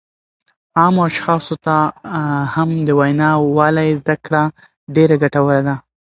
عامو اشخاصو ته هم د وینا والۍ زده کړه ډېره ګټوره ده